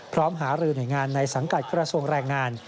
พร้อมหารือหน่วยงานในสังกัดกระทรวงแรงงาน